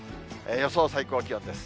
予想最高気温です。